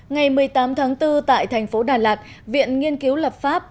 ngày một mươi tám tháng bốn tại thành phố đà lạt viện nghiên cứu lập pháp